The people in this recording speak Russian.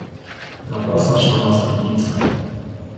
Напрасно ж она стыдится.